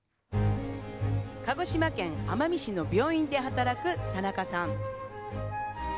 鹿児島県奄美市の病院で働く田中さん。